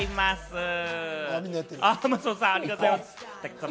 松本さん、武田さん、ありがとうございます。